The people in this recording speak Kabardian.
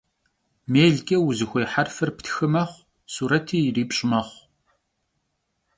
Mêlç'e vuzıxuêy herfır ptxı mexhu, sureti yiripş' mexhu.